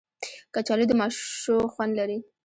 کچالو د ماشو خوند لري